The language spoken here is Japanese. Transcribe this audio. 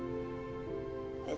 えっ？